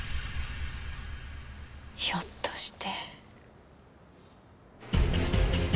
ひょっとして。